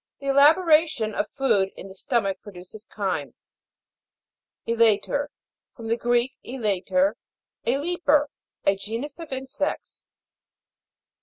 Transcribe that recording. The elaboration of food in the stomach produces chyme. E'LATER. From the Greek, elater, a leaper. A genus of insects.